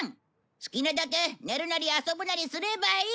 好きなだけ寝るなり遊ぶなりすればいい！